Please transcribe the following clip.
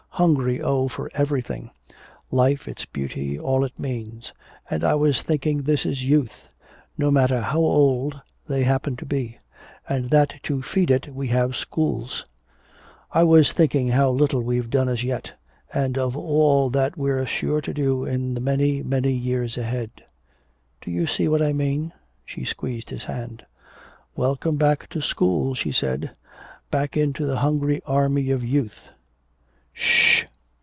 Hungry, oh, for everything life, its beauty, all it means. And I was thinking this is youth no matter how old they happen to be and that to feed it we have schools. I was thinking how little we've done as yet, and of all that we're so sure to do in the many, many years ahead. Do you see what I mean?" she squeezed his hand. "Welcome back to school," she said, "back into the hungry army of youth!... Sh h h!"